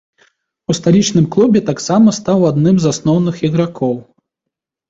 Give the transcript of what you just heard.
У сталічным клубе таксама стаў адным з асноўных ігракоў.